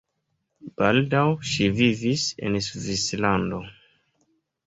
Baldaŭ ŝi vivis en Svislando.